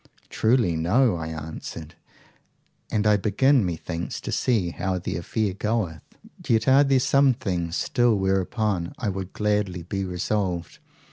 Truly no, I answered; and I begin, methinks, to see how the affair goeth. Yet are there some things still whereupon I would gladly be resolved.